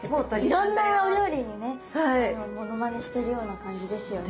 いろんなお料理にねモノマネしてるような感じですよね。